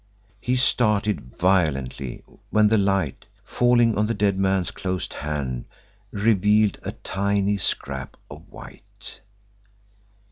He started violently when the light, falling on the dead man's closed hand, revealed a tiny scrap of white.